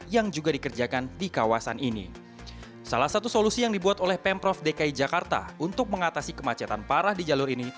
yang dibuat oleh pemprov dki jakarta untuk mengatasi kemacetan parah di jalur ini